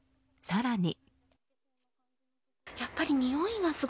更に。